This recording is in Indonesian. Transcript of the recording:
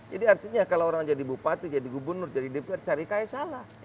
jadi artinya kalau orang mau jadi bupati jadi gubernur jadi dpr cari kaya salah